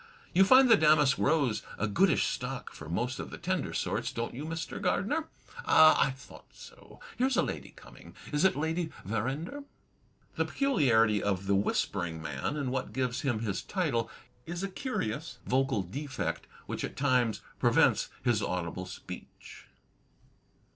You find the damask rose a goodish l68 THE TECHNIQUE OF THE MYSTERY STORY stock for most of the tender sorts, don't you, Mr. Gardener? Ah! I thought so. Here's a lady coming. Is it Lady Verinder? " The peculiarity of "The Whispering Man," and what gives him his title, is a curious vocal defect which at times prevents his audible speech.